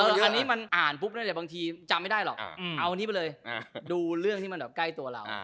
อันนี้มันอ่านปุ๊บนั่นแหละบางทีจำไม่ได้หรอกเอาอันนี้ไปเลยดูเรื่องที่มันแบบใกล้ตัวเรา